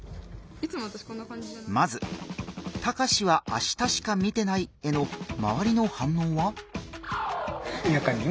まず「タカシは明日しか見てない」へのまわりの反応は？